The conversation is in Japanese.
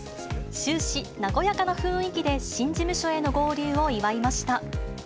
終始、和やかな雰囲気で新事務所への合流を祝いました。